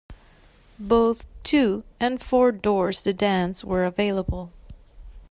Both two- and four-door sedans were available.